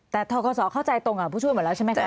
แต่ทกศเข้าใจตรงกับผู้ช่วยหมดแล้วใช่ไหมคะ